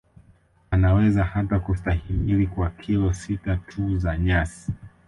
Anaweza hata kustahimili kwa kilo sita tu za nyasi